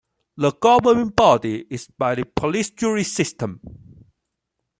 The governing body is by the police jury system.